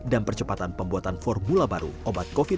dan percepatan pembuatan formula baru obat covid sembilan belas